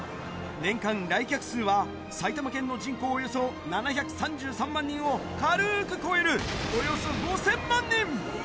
年間来客数は、埼玉県の人口およそ７３３万人を軽ーく超える、およそ５０００万人。